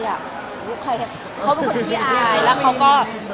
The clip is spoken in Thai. เค้าเป็นคนพี่อายแล้วเค้าก็